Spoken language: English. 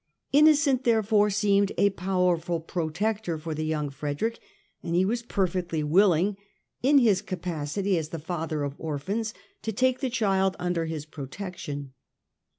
Innocent, therefore, seemed a powerful protector for the young Frederick, and he was perfectly willing, in his capacity as the father of orphans, to take the child under his protection.